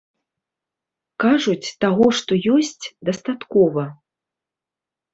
Кажуць, таго, што ёсць, дастаткова.